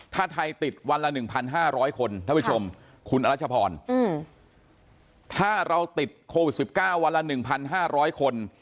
ถ้าไทยติดวันละ๑๕๐๐คนท่านผู้ชมคุณอรัชพรถ้าเราติดโควิด๑๙วันละ๑๕๐๐คน